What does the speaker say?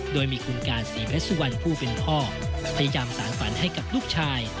โดยมีคุณการศรีเพชรสุวรรณผู้เป็นพ่อพยายามสารฝันให้กับลูกชาย